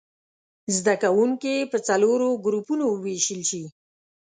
زده کوونکي په څلورو ګروپونو ووېشل شي.